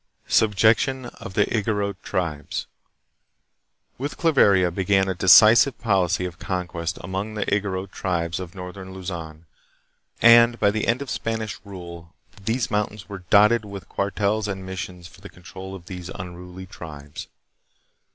Subjection of the Igorot Tribes. With Claveria be gan a decisive policy of conquest among the Igorot tribes of northern Luzon, and by the end of Spanish rule these mountains were dotted with cuartels and missions for the control of these unruly tribes.